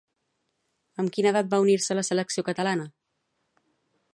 Amb quina edat va unir-se a la selecció catalana?